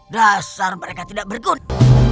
dasar mereka tidak berguna